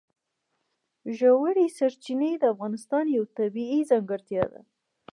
ژورې سرچینې د افغانستان یوه طبیعي ځانګړتیا ده.